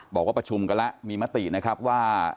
บอกว่าประชุมกันแล้วมีมตินะครับว่า